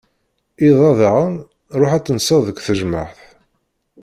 Iḍ-a diɣen, ruḥ ad tenseḍ deg tejmeɛt.